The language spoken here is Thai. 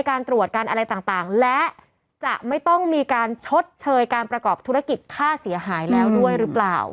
การตรวจการอะไรต่างและจะไม่ต้องมีการชดเชยการประกอบธุรกิจค่าเสียหายแล้วด้วยหรือเปล่า